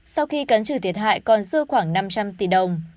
sau khi cấn trừ thiệt hại còn dưa khoảng năm trăm linh tỷ đồng